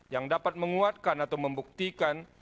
yang dapat menguatkan atau membuktikan